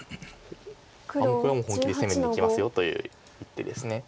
もうこれは本気で攻めにいきますよという一手です。